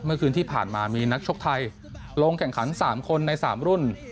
เมื่อคืนที่ผ่านมามีนักชกไทยลงแข่งขัน๓คนใน๓รุ่น